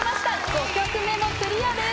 ５曲目もクリアです。